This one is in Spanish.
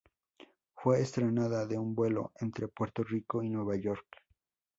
Fue estrenada en un vuelo entre Puerto Rico y Nueva York.